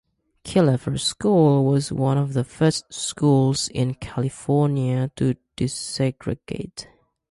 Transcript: Killefer School was one of the first schools in California to desegregate.